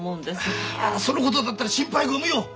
そのことだったら心配ご無用。